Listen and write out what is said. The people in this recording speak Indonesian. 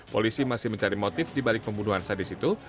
polisi masih mencari motif dibalik pembunuhan sadis itu